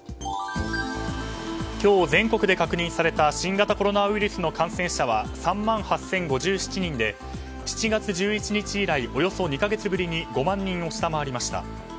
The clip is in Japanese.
今日、全国で確認された新型コロナウイルスの感染者は３万８０５７人で７月１１日以来およそ２か月ぶりに５万人を下回りました。